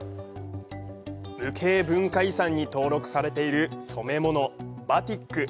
無形文化遺産に登録されている染物バティック。